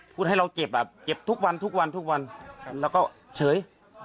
พูดให้เราเจ็บแบบเจ็บทุกวันและก็เฉย